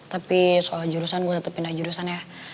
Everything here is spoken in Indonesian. tapi soal jurusan gue tetap pindah jurusan ya